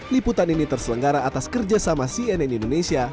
liputan ini terselenggara atas kerjasama cnn indonesia